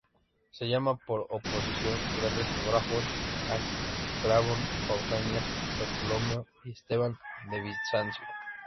Se llama por oposición "grandes geógrafos" a Estrabón, Pausanias, Ptolomeo y Esteban de Bizancio.